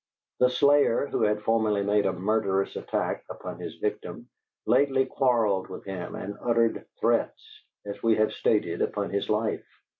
The slayer, who had formerly made a murderous attack upon his victim, lately quarrelled with him and uttered threats, as we have stated, upon his life.